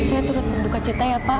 saya turut berduka cita ya pak